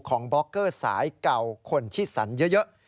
บล็อกเกอร์สายเก่าคนที่สรรเยอะ